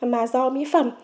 mà do mỹ phẩm